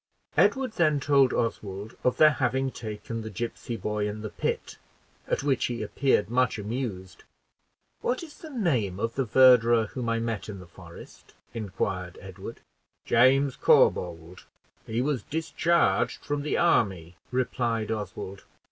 Edward then told Oswald of their having taken the gipsy boy in the pit, at which he appeared much amused. "What is the name of the verderer whom I met in the forest?" inquired Edward. "James Corbould; he was discharged from the army," replied Oswald.